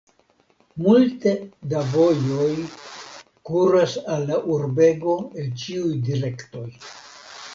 Multe da vojoj kuras al la urbego el ĉiuj direktoj.